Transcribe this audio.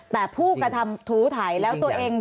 แต่ผู้กระทำถูไถแล้วตัวเอง